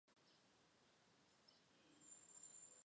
迁福建参政。